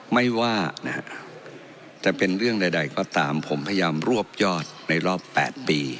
ไม่ว่านะฮะจะเป็นเรื่องใดก็ตามผมพยายามรวบยอดในรอบ๘ปี